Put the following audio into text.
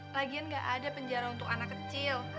lagian gak ada penjara untuk anak kecil